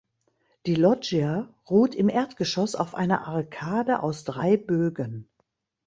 Die Loggia ruht im Erdgeschoss auf einer Arkade aus drei Bögen.